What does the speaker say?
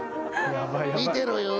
見てろよ。